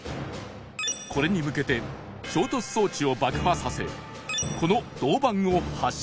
これに向けて衝突装置を爆破させこの銅板を発射